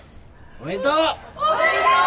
おめでとう！